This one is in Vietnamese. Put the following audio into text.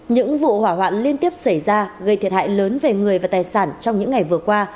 những vụ hỏa hoạn liên tiếp xảy ra gây thiệt hại lớn về người và tài sản trong những ngày vừa qua